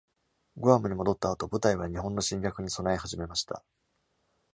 グアムに戻った後、部隊は日本の侵略に備え始めました。